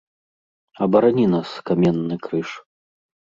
Абарані нас, каменны крыж!